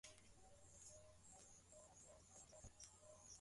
watu walisema ngono inaweza kutibu ugonjwa wa ukimwi